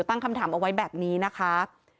ตั้งคำถามเอาไว้แบบนี้นะคะ